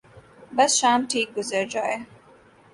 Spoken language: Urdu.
بس شام ٹھیک گزر جائے۔